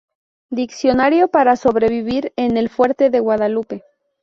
Diccionario para sobrevivir en el fuerte de Guadalupe.